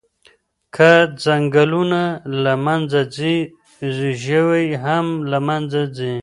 که ځنګلونه له منځه ځي، ژوي هم له منځه ځي.